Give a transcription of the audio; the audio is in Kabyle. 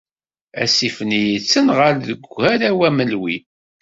Asif-nni yettenɣal deg Ugaraw Amelwi.